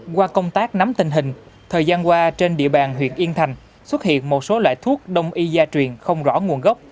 qua công tác nắm tình hình thời gian qua trên địa bàn huyện yên thành xuất hiện một số loại thuốc đông y gia truyền không rõ nguồn gốc